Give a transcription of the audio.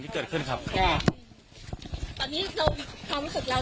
ลูกเค้าอยู่น้ำกลางลูกเค้าอยู่น้ำกลาง